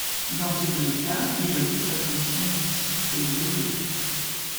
Dans ces deux cas, il occupe la position du six de grelot.